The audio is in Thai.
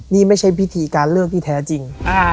นี่ไม่ใช่พิธีการเลิกที่แท้จริง